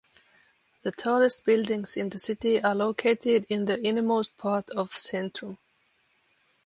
The tallest buildings in the city are located in the innermost part of Sentrum.